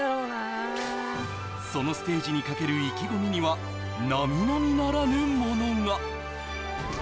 そのステージにかける意気込みには並々ならぬものが・